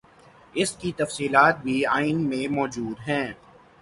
اس کی تفصیلات بھی آئین میں موجود ہیں۔